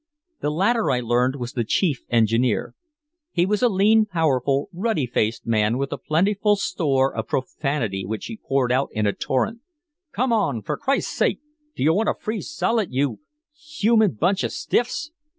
The latter I learned was the chief engineer. He was a lean, powerful, ruddy faced man with a plentiful store of profanity which he poured out in a torrent: "Come on! For Christ's sake! Do you want to freeze solid, you human bunch of stiffs?"